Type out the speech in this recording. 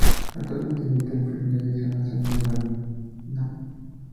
Actualmente milita en Primera División Nacional de balonmano.